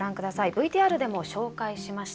ＶＴＲでも紹介しました。